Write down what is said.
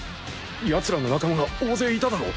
ヤツらの仲間が大勢いただろ？